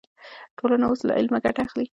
ټولنه اوس له علمه ګټه اخلي.